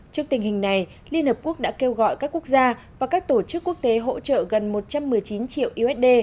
trước tình hình này liên hợp quốc đã kêu gọi các quốc gia và các tổ chức quốc tế hỗ trợ gần một trăm một mươi chín triệu usd